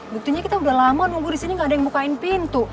buktinya kita udah lama nunggu di sini gak ada yang mukain pintu